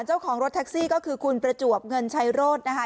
เจ้าของรถแท็กซี่ก็คือคุณประจวบเงินชัยโรธนะคะ